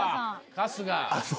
春日。